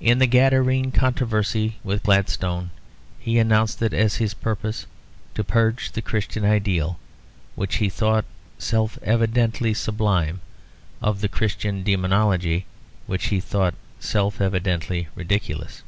In the Gadarene controversy with Gladstone, he announced it as his purpose to purge the Christian ideal, which he thought self evidently sublime, of the Christian demonology, which he thought self evidently ridiculous.